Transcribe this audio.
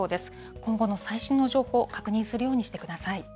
今後の最新の情報を確認するようにしてください。